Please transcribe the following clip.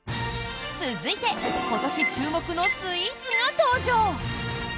続いて今年注目のスイーツが登場！